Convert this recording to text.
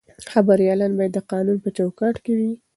خبریالان باید د قانون په چوکاټ کې وي.